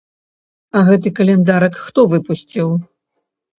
А гэты каляндарык хто выпусціў?